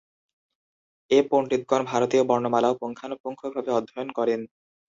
এ পন্ডিতগণ ভারতীয় বর্ণমালাও পুঙ্খানুপুঙ্খভাবে অধ্যয়ন করেন।